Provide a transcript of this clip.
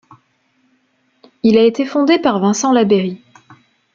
Il a été fondé par Vincent Labeyrie.